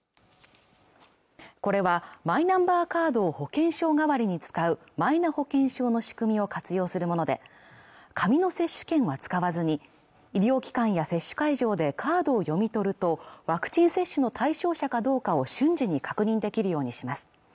これはマイナンバーカード保険証がわりに使うマイナ保険証の仕組みを活用するもので紙の接種券は使わずに医療機関や接種会場でカードを読み取るとワクチン接種の対象者かどうかを瞬時に確認できるようにします